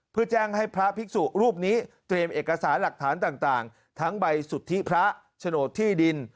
เพื่อแจ้งให้พระภิกษุรูปนี้เตรียมเอกสารหลักฐานต่างทั้งใบสุทธิพระโฉนดที่ดิน